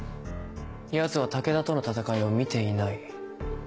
ヤツは武田との戦いを見ていない。